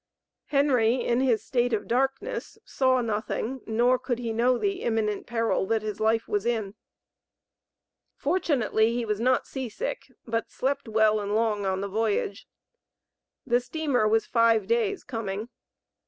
Henry, in his state of darkness, saw nothing, nor could he know the imminent peril that his life was in. Fortunately he was not sea sick, but slept well and long on the voyage. The steamer was five days coming.